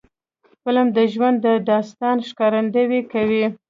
فلم د ژوند د داستان ښکارندویي کوي